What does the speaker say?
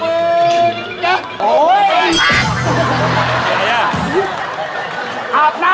แม่หน้าของพ่อหน้าของพ่อหน้า